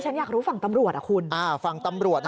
นี่ฉันอยากรู้ฝั่งตำรวจคุณ